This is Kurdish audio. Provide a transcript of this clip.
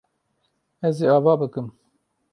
Ez ê ava bikim.